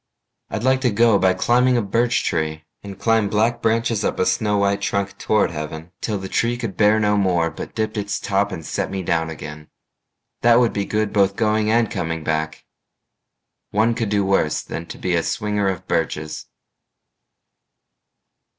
I'd like to go by climbing a birch tree, And climb black branches up a snow white trunk Toward heaven, till the tree could bear no more, But dipped its top and set me down again. That would be good both going and coming back. One could do worse than be a swinger of birches.